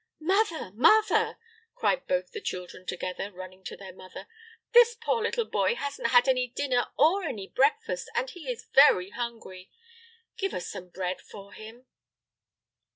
"Mother, mother," cried both the children together, running to their mother; "this poor little boy hasn't had any dinner or any breakfast, and he is very hungry; give us some bread for him."